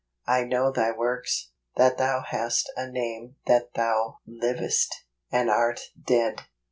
" I know thy works, that thou hast a name that thou livest, and art dead."